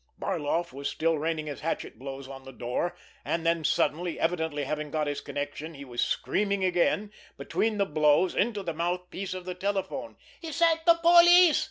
Barloff was still raining his hatchet blows on the door; and then suddenly, evidently having got his connection, he was screaming again, between blows, into the mouthpiece of the telephone: "Is that the police?